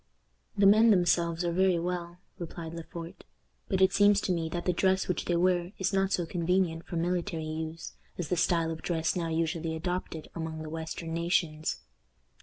"The men themselves are very well," replied Le Port, "but it seems to me that the dress which they wear is not so convenient for military use as the style of dress now usually adopted among the western nations."